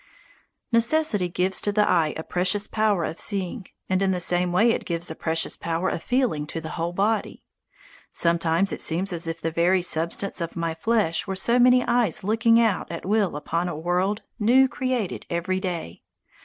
Necessity gives to the eye a precious power of seeing, and in the same way it gives a precious power of feeling to the whole body. Sometimes it seems as if the very substance of my flesh were so many eyes looking out at will upon a world new created every day.